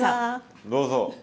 どうぞ。